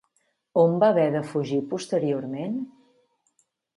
On va haver de fugir posteriorment?